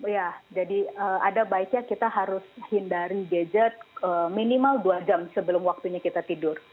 ya jadi ada baiknya kita harus hindari gadget minimal dua jam sebelum waktunya kita tidur